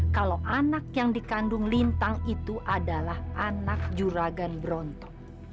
kalau anak yang dikandung lintang itu adalah anak juragan bronto